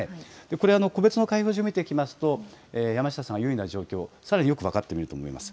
これ、個別の開票所、見ていきますと、山下さんが優位な状況、さらによく分かって見えると思います。